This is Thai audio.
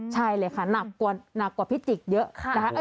ใช่เลยค่ะหนักกว่าพิจิกเยอะนะคะ